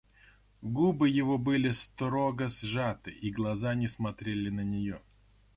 Губы его были строго сжаты, и глаза не смотрели на нее.